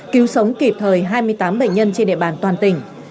cứu sống kịp thời hai mươi tám bệnh nhân trên địa bàn toàn tỉnh